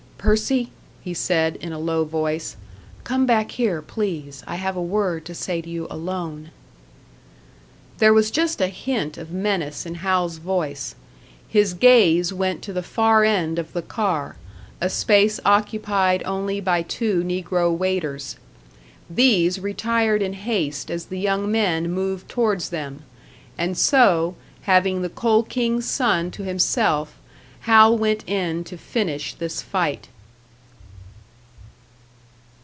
"Percy," he said, in a low voice, "come back here, please. I have a word to say to you alone." There was just a hint of menace in Hal's voice; his gaze went to the far end of the car, a space occupied only by two negro waiters. These retired in haste as the young men moved towards them; and so, having the Coal King's son to himself, Hal went in to finish this fight.